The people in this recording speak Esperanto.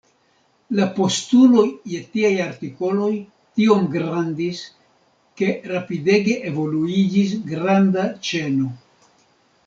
La postuloj je tiaj artikoloj tiom grandis ke rapidege evoluiĝis granda ĉeno.